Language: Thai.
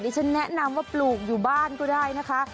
ฉันแนะนำว่าปลูกอยู่บ้านก็ได้นะคะ